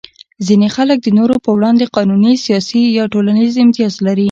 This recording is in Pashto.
ځینې خلک د نورو په وړاندې قانوني، سیاسي یا ټولنیز امتیاز لري.